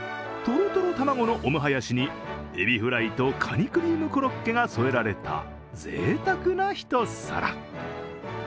とろとろ卵のオムハヤシにエビフライとカニクリームコロッケが添えられたぜいたくな一皿。